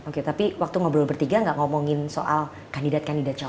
oke tapi waktu ngobrol bertiga gak ngomongin soal kandidat kandidat calon